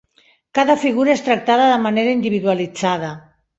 Cada figura és tractada de manera individualitzada.